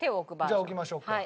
じゃあ置きましょうか。